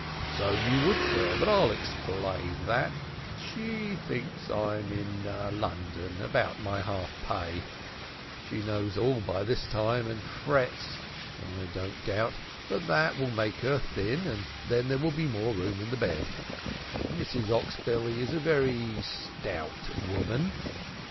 "So you would, sir, but I'll explain that she thinks I'm in London about my half pay. She knows all by this time, and frets, I don't doubt; but that will make her thin, and then there will be more room in the bed. Mrs Oxbelly is a very stout woman."